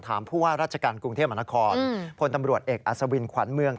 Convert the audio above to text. ผู้ว่าราชการกรุงเทพมหานครพลตำรวจเอกอัศวินขวัญเมือง